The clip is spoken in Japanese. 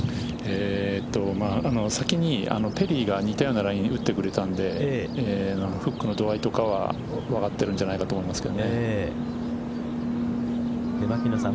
先にペリーが似たようなラインを打ってくれたんでフックの度合いとかは分かっているんじゃないかと牧野さん